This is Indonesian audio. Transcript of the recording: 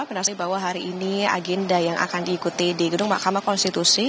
penasihat bahwa hari ini agenda yang akan diikuti di gedung mahkamah konstitusi